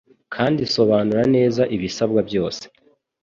kandi isobanure neza ibisabwa byose